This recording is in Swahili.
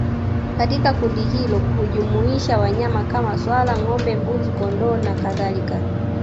Katika kundi hilo hujumuisha wanyama kama swala ngombe mbuzi kondoo na kadhalika